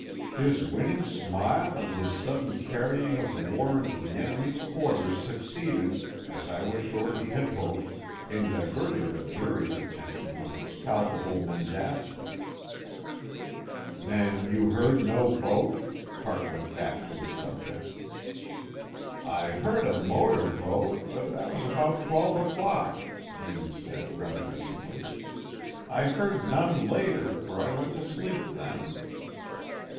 His winning smile and his sudden carrying of the war into the enemy's quarters succeeded, as I was sure he had hoped, in diverting the jury's attention from his palpable mendacity. "Then you heard no boat?" Hart went back to his subject. "I heard a motor boat, but that was about twelve o'clock," Dean said, reminiscently. "I heard none later, for I went to sleep then."